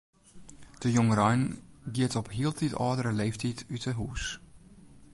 De jongerein giet op hieltyd âldere leeftiid út 'e hûs.